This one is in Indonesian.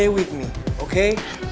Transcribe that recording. kau harimau kecil